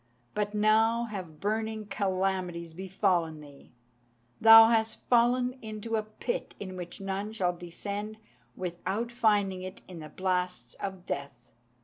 But now have burning calamities befallen thee. Thou hast fallen into a pit into which none shall descend without finding in it the blasts of death."